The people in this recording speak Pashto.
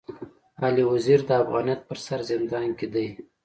علي وزير د افغانيت پر سر زندان کي دی.